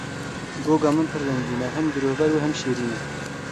Goga min pir rengîn e, hem girover û hem şîrîn e.